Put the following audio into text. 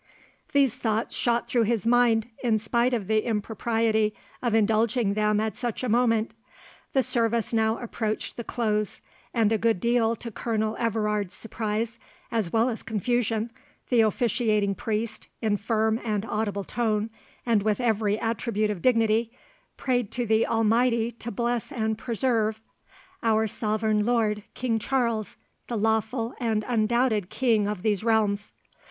These thoughts shot through his mind, in spite of the impropriety of indulging them at such a moment. The service now approached the close, and a good deal to Colonel Everard's surprise, as well as confusion, the officiating priest, in firm and audible tone, and with every attribute of dignity, prayed to the Almighty to bless and preserve "Our Sovereign Lord, King Charles, the lawful and undoubted King of these realms."